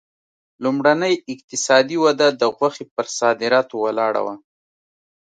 لومړنۍ اقتصادي وده د غوښې پر صادراتو ولاړه وه.